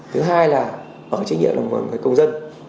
thứ hai là ở trách nhiệm của người công dân